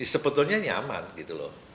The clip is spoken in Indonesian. sebetulnya nyaman gitu loh